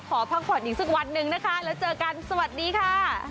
ขอพักผ่อนอีกสักวันหนึ่งนะคะแล้วเจอกันสวัสดีค่ะ